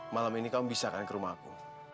malam ini kamu bisa kan ke rumah aku